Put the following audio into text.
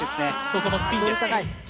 ここもスピンです。